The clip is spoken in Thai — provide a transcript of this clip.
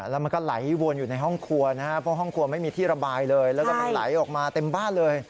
แล้วมันก็ไหลวนอยู่ในห้องครัวนะครับเพราะห้องครัวไม่มีที่ระบายเลยแล้วก็มันไหลออกมาเต็มบ้านเลย